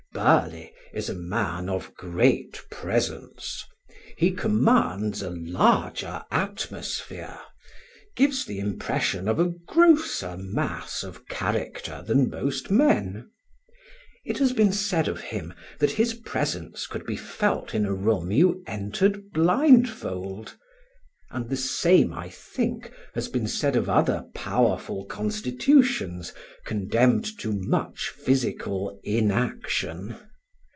Burly is a man of great presence; he commands a larger atmosphere, gives the impression of a grosser mass of character than most men. It has been said of him that his presence could be felt in a room you entered blindfold; and the same, I think, has been said of other powerful constitutions condemned to much physical inaction.